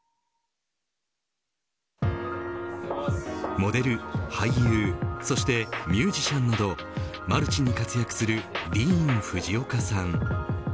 モデル、俳優、そしてミュージシャンなどマルチに活躍するディーン・フジオカさん。